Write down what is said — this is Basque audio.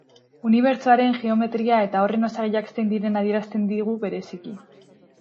Unibertsoaren geometria eta horren osagaiak zein diren adierazten digu bereziki.